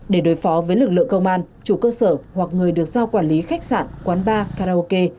để đối phó với lực lượng công an chủ cơ sở hoặc người được giao quản lý khách sạn quán bar karaoke